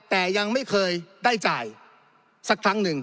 แต่ยังไม่เคยได้จ่ายสักครั้งหนึ่ง